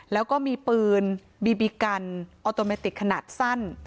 แล้วก็มีปืนบีบีกันออโตเมติกขนาดสั้น